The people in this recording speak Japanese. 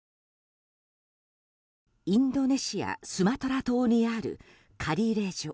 インドネシア・スマトラ島にあるカリレジョ。